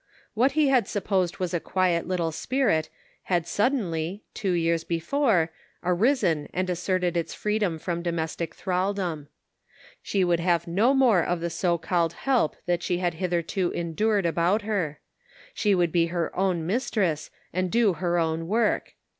What he had supposed was a quiet little spirit had suddenly, two years before, arisen and asserted its freedom from domestic thralldom. She would have no more of the so called help that she had hitherto endured about her ; she would be her own mistress and do her own work.